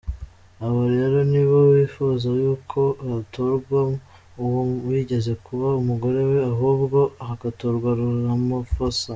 Abo rero nibo bifuza yuko hatatorwa uwo wigeze kuba umugore we ahubwo hagatorwa Ramaphosa !